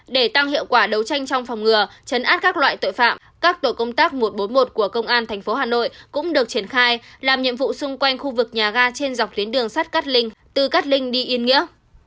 để tăng hiệu quả đấu tranh trong phòng ngừa chấn áp các loại tội phạm các tổ công tác một trăm bốn mươi một của công an tp hà nội cũng được triển khai làm nhiệm vụ xung quanh khu vực nhà ga trên dọc tuyến đường sắt cát linh từ cát linh đi yên nghĩa